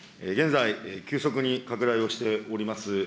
現在、急速に拡大をしております